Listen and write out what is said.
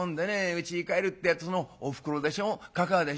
うちに帰るってえとそのおふくろでしょかかあでしょ